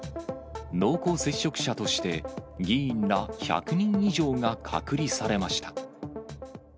濃厚接触者として、議員ら１００人以上が隔離されました。